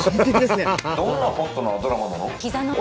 どんなホットなドラマなの？